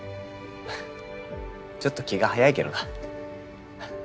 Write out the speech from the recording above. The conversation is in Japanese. ちょっと気が早いけどな。